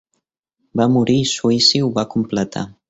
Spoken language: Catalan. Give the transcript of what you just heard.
Va morir i Sweezy ho va completar.